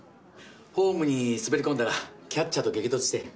ホームに滑り込んだらキャッチャーと激突して。